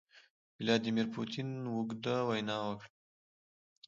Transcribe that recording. ولادیمیر پوتین اوږده وینا وکړه.